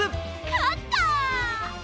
かった！